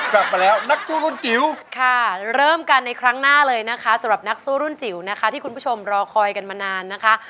กลับมาแล้วนักสู้รุ่นจิ๋วค่ะเริ่มกันในครั้งหน้าเลยนะคะสำหรับนักสู้รุ่นจิ๋วนะคะที่คุณผู้ชมรอคอยกันมานานนะคะ